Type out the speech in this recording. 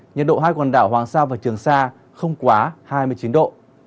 nhiệt độ hai quần đảo hoàng sa và trường sa không quá hai mươi chín độ